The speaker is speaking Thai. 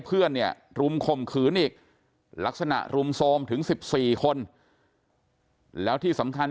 เพื่อนเนี่ยรุมข่มขืนอีกลักษณะรุมโทรมถึง๑๔คนแล้วที่สำคัญ